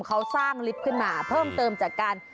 เขาสร้างลิฟต์ขึ้นมาเพิ่มเติมจากการ